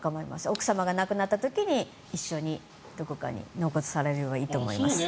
奥様が亡くなった時に一緒にどこかに納骨されればいいと思います。